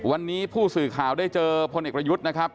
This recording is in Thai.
วันนี้ผู้สื่อข่าวได้เจอพลเอกประยุทธ์นะครับ